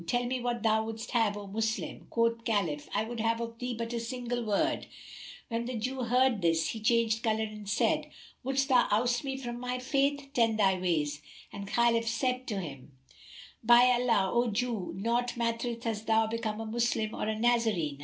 Tell me what thou wouldst have, O Moslem!" Quoth Khalif, "I would have of thee but a single word. [FN#274]" When the Jew heard this, he changed colour and said, "Wouldst thou oust me from my faith? Wend thy ways;" and Khalif said to him, "By Allah, O Jew, naught mattereth an thou become a Moslem or a Nazarene!"